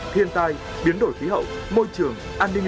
thiên tai biến đổi khí hậu môi trường an ninh